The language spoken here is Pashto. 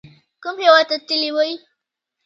کوم هیواد ته تللي وئ؟